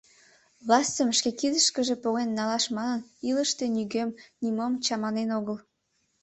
Властьым шке кидышкыже поген налаш манын, илышыште нигӧм-нимом чаманен огыл.